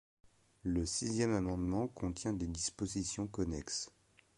Le sixième amendement contient des dispositions connexes.